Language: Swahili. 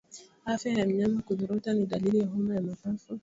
Afya ya mnyama kuzorota ni dalili ya homa ya mapafu